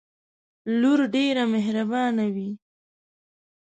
لور ډیره محربانه وی